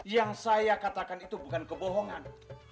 yang saya katakan itu bukan kebohongan